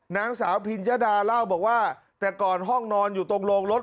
นางสาวพิญญดาเล่าบอกว่าแต่ก่อนห้องนอนอยู่ตรงโรงรถ